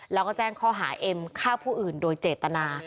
แล้วก็แจ้งข้อหาเอ็มฆ่าผู้อื่นโดยเจตนา